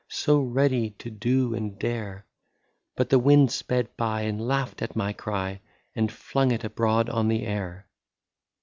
So ready to do and dare. But the wind sped by, and laughed at my cry. And flung it abroad on the air.